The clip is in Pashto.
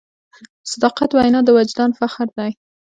د صداقت وینا د وجدان فخر دی.